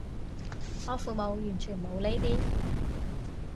我父母完全冇呢啲